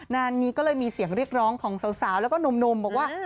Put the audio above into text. งานนี้ก็เลยมีเสียงเรียกร้องของสาวแล้วก็หนุ่มบอกว่า